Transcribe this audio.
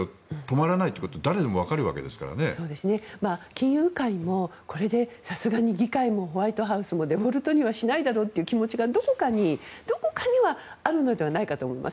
金融界もこれでさすがに議会もホワイトハウスもデフォルトにはしないだろうという気持ちがどこかにはあるのではないかと思います。